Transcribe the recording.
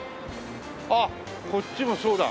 あっこっちもそうだ。